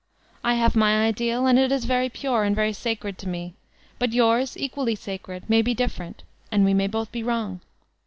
I have my ideal, and it is very pure, and very sacred to me. But yours, equally sacred, may be different and we may both be wrong.